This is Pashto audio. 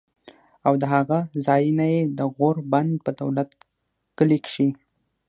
او د هغه ځائے نه د غور بند پۀ دولت کلي کښې